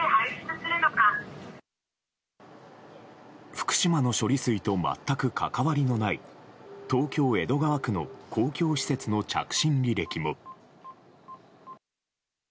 福島の処理水と全く関わりのない東京・江戸川区の公共施設の着信履歴も。